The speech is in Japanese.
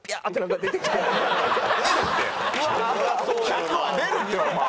１００は出るってお前！